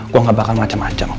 gue gak bakal macem macem